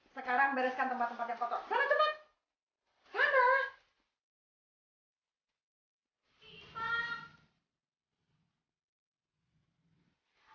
sekarang bereskan tempat tempat yang kotor sangat cepat